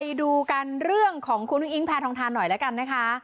ไปดูกันเรื่องของคุณอุ้งอิงแพทองทานหน่อยแล้วกันนะคะ